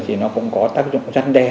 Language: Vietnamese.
thì nó cũng có tác dụng răn đe